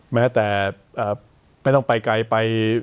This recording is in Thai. แม้แต่ไม่ต้องไปไกลไป